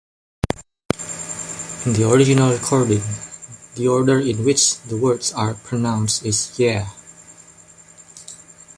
In the original recording, the order in which the words are pronounced is "Yeah!